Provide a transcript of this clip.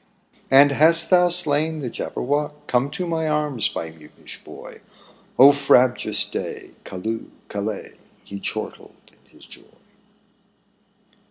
'* And hast thou slain the Jabberwock ? Come to my arms, my beamish boy ! Oh, frabjous day! Calloohl callay! He chortled in his joy.